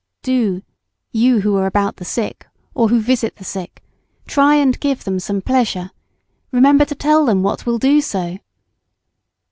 ] Do, you who are about the sick or who visit the sick, try and give them pleasure, remember to tell them what will do so.